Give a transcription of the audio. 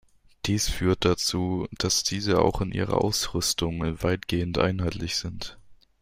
Dies führt dazu, dass diese auch in ihrer Ausrüstung weitgehend einheitlich sind.